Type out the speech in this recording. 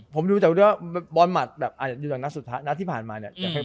ผมดูแต่ว่าบอลหมัดอยู่ตรงนักที่ผ่านมาเนี่ย